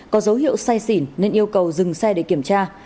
có dấu hiệu say xỉn nên yêu cầu dừng xe để kiểm tra